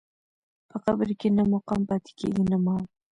په قبر کې نه مقام پاتې کېږي نه مال.